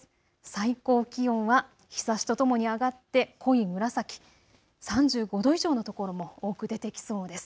最高気温は日ざしとともに上がって濃い紫、３５度以上の所も多く出てきそうです。